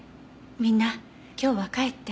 みんな今日は帰って。